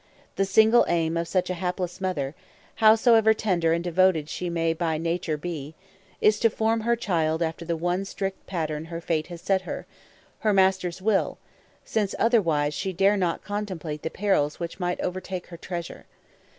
The single aim of such a hapless mother, howsoever tender and devoted she may by nature be, is to form her child after the one strict pattern her fate has set her, her master's will; since, otherwise, she dare not contemplate the perils which might overtake her treasure.